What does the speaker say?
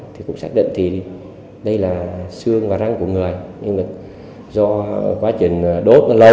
thì cũng xác định thì đây là xương và răng của người nhưng mà do quá trình đốt nó lâu